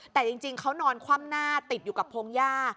แต่จริงเขานอนคว่ำหน้าติดอยู่กับพงหญ้า